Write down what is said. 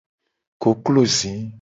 Koklo zi.